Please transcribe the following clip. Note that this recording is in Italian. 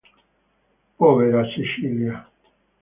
Povera Cecilia!